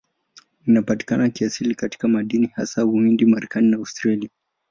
Inapatikana kiasili katika madini, hasa Uhindi, Marekani na Australia.